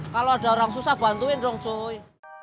kalo ada orang susah bantuin dong cuy